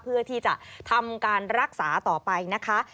เพื่อที่จะทำการรักษาต่อไปนะคะ